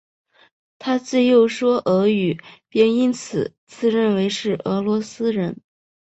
而他自幼说俄语并且因此自认为是俄罗斯人。